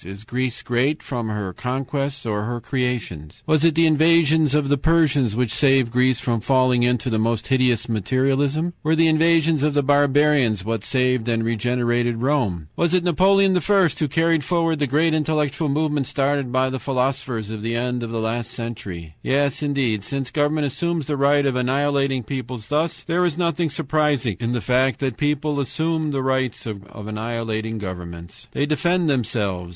Is Greece great from her conquests or her creations? "Was it the invasions of the Persians which saved Greece from falling into the most hideous materialism? "Were the invasions of the barbarians what saved and regenerated Rome? "Was it Napoleon I. who carried forward the great intellectual movement started by the philosophers of the end of last century? "Yes, indeed, since government assumes the right of annihilating peoples thus, there is nothing surprising in the fact that the peoples assume the right of annihilating governments. "They defend themselves.